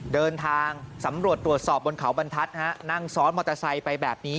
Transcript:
เดินทางสำรวจตรวจสอบบนเขาบรรทัศน์นั่งซ้อนมอเตอร์ไซค์ไปแบบนี้